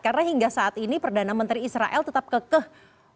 karena hingga saat ini perdana menteri israel tetap kekeh